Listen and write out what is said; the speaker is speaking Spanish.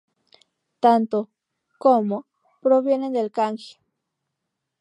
Tanto と como ト provienen del kanji 止.